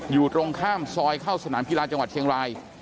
อยู่ตรงข้ามซอยเข้าสนามกีฬาจังหวัดเชียงราย